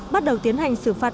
bắt đầu tiến hành xử phạt